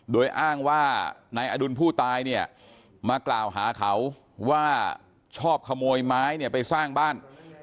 โดยอ้างว่านายอดุลผู้ตายเนี่ยมากล่าวหาเขาว่าชอบขโมยไม้เนี่ยไปสร้างบ้าน